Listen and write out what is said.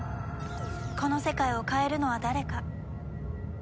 この世界を変えるのは誰か。